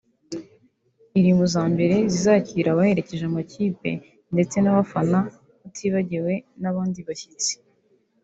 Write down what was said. iri mu zambere zizakira abaherekeje amakipe ndetse n’abafana utibagiwe n’abandi bashyitsi